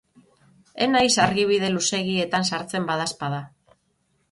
Ez naiz argibide luzeegietan sartzen, badaezpada.